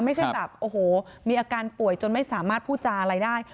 ไม่ใช่แบบโอ้โหมีอาการป่วยจนไม่สามารถพูดจาอะไรได้